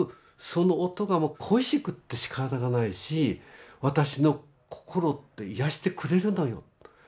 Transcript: その音がもう恋しくってしかたがないし私の心を癒やしてくれるのよ」と。